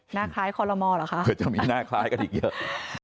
หน้าคล้ายคอลโลมอลเหรอคะเผื่อจะมีหน้าคล้ายกันอีกเยอะ